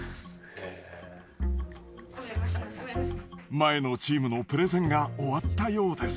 前のチームのプレゼンが終わったようです。